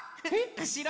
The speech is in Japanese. うしろ？